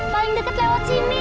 paling deket lewat sini